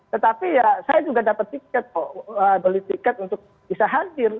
tetapi ya saya juga dapat tiket kok beli tiket untuk bisa hadir